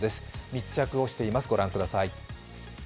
密着をしています、御覧ください。